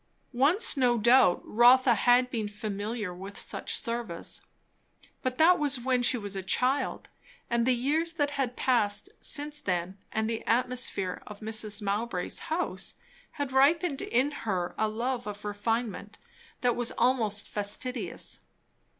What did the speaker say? Once no doubt Rotha had been familiar with such service; but that was when she was a child; and the years that had passed since then and the atmosphere of Mrs. Mowbray's house had ripened in her a love of refinement that was almost fastidious.